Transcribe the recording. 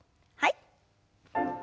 はい。